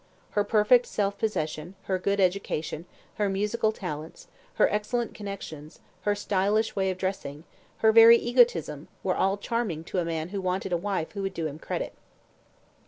Her perfect self possession, her good education, her musical talents, her excellent connections, her stylish way of dressing, her very egotism, were all charming to a man who wanted a wife who would do him credit.